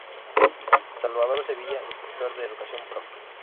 Salvador Sevilla, Inspector de Educación, Prof.